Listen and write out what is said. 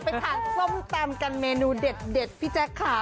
ไปทานส้มตำกันเมนูเด็ดพี่แจ๊คค่ะ